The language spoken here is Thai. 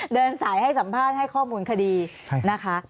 เดินสายให้สัมภาษณ์ให้ข้อมูลคดีนะคะ